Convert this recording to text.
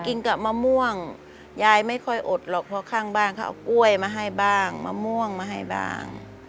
กินกับมะม่วงยายไม่ค่อยอดหรอกเพราะข้างบ้านเขาเอากล้วยมาให้บ้างมะม่วงมาให้บ้าง